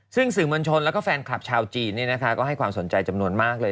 ซึ่งสื่อมวลชนแล้วก็แฟนคลับชาวจีนก็ให้ความสนใจจำนวนมากเลย